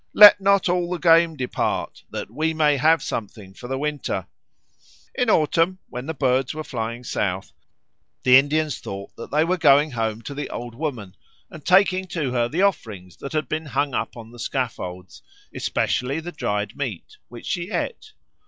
let not all the game depart, that we may have something for the winter!" In autumn, when the birds were flying south, the Indians thought that they were going home to the Old Woman and taking to her the offerings that had been hung up on the scaffolds, especially the dried meat, which she ate.